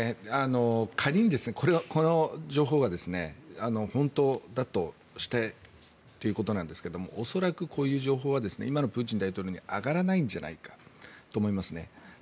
仮にこの情報が本当だとしてということですが恐らくこういう情報は今のプーチン大統領まで上がらないんじゃないかと思いますね。